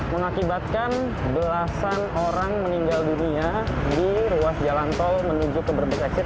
mengakibatkan belasan orang meninggal dunia di ruas jalan tol menuju ke brebek exit